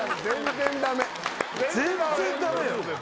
全然ダメよ